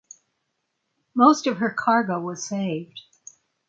Most of her cargo was saved.